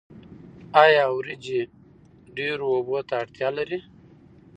آیا وریجې ډیرو اوبو ته اړتیا لري؟